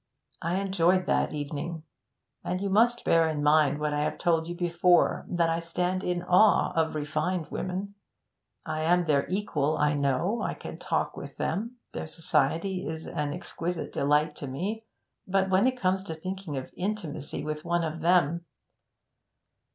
I enjoyed that evening and you must bear in mind what I have told you before, that I stand in awe of refined women. I am their equal, I know; I can talk with them; their society is an exquisite delight to me; but when it comes to thinking of intimacy with one of them